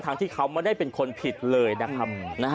ที่เขาไม่ได้เป็นคนผิดเลยนะครับ